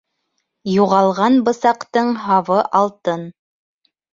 Юғалған бысаҡтың һабы алтын.